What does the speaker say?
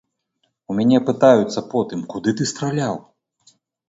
У мяне пытаюцца потым, куды ты страляў?